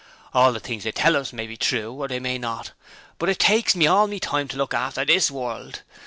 All the things they tells us may be true or they may not, but it takes me all my time to look after THIS world.